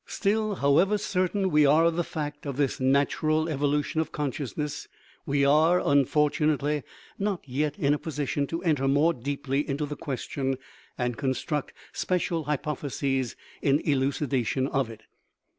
Still, however certain we are of the fact of this natural evolution of consciousness, we are, un fortunately, not yet in a position to enter more deeply into the question and construct special hypotheses in elucidation of it.